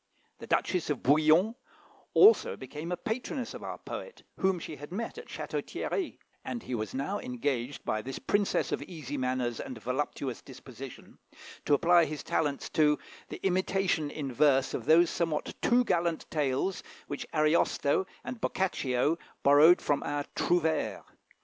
The Duchess of Bouillon also became a patroness of our poet, whom she had met at Château Thierry; and he was now engaged by this princess of easy manners and voluptuous disposition, to apply his talents to, the imitation in verse of those somewhat too gallant tales which Ariosto and Boccaccio borrowed from our Trouvères.